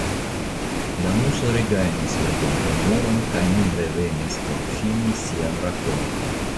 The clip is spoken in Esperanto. La Muso regajnis la bonhumoron kaj nun revenis por fini sian rakonton.